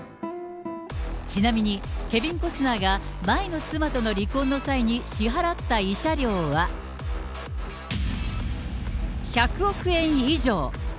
ちなみにケビン・コスナーが、前の妻との離婚の際に支払った慰謝料は、１００億円以上。